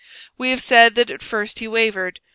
We have said that at first he wavered.